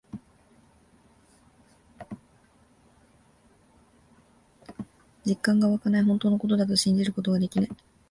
実感がわかない。本当のことだと信じることができない。